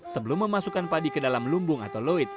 sebelum memasukkan padi ke dalam lumbung atau loid